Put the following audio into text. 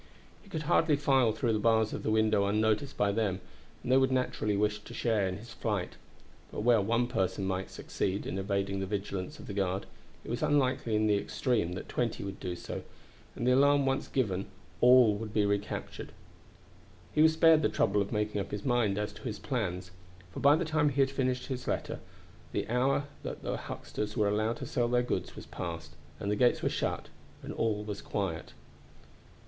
He could hardly file through the bars of the window unnoticed by them, and they would naturally wish to share in his flight; but where one person might succeed in evading the vigilance of the guard, it was unlikely in the extreme that twenty would do so, and the alarm once given all would be recaptured. He was spared the trouble of making up his mind as to his plans, for by the time he had finished his letter the hour that the hucksters were allowed to sell their goods was passed, and the gates were shut and all was quiet.